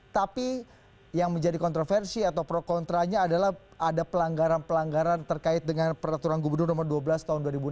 tapi yang menjadi kontroversi atau pro kontranya adalah ada pelanggaran pelanggaran terkait dengan peraturan gubernur nomor dua belas tahun dua ribu enam belas